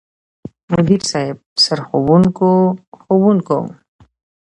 مدير صيب، سرښوونکو ،ښوونکو،